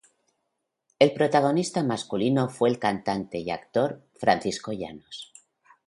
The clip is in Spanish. El protagonista masculino fue el cantante y actor Francisco Llanos.